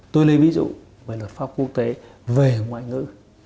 tôi lấy ví dụ về luật pháp quốc tế về ngoại ngữ